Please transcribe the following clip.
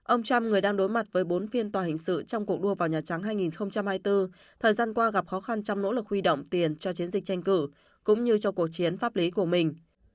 ông trump người đang đối mặt với bốn phiên tòa hình sự trong cuộc đua vào nhà trắng hai nghìn hai mươi bốn thời gian qua gặp khó khăn trong nỗ lực huy động tiền cho chiến dịch tranh cử cũng như cho cuộc chiến pháp lý của mình